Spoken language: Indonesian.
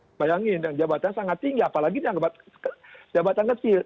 ya walaupun menyangkut bayangin yang jabatan sangat tinggi apalagi yang jabatan kecil